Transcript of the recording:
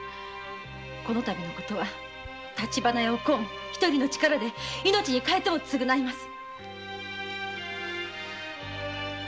このたびのことは立花屋お紺独りの力で命に代えても償います！